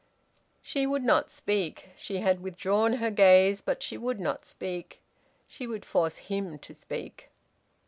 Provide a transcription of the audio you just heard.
She would not speak. She had withdrawn her gaze, but she would not speak. She would force him to speak.